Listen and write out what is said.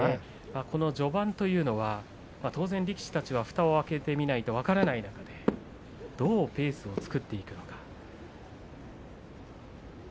序盤というのは当然力士たちはふたを開けてみないと分からない中でどうペースを作っていくのか。